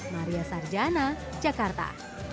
maria sarjana jakarta